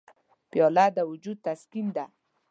پیاله د وجود تسکین ده.